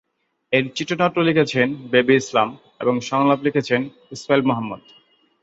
এর চিত্রনাট্য লিখেছেন বেবী ইসলাম এবং সংলাপ লিখেছেন ইসমাইল মোহাম্মদ।